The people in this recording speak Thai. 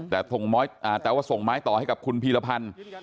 แต่ว่าส่งไม้ต่อให้กับคุณพีรพันธ์